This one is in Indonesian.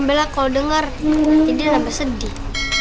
kalau dengar nanti dia sampai sedih